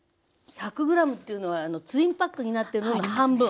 １００ｇというのはツインパックになってるのの半分。